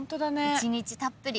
一日たっぷり。